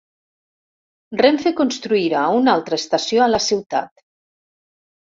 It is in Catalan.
Renfe construirà una altra estació a la ciutat: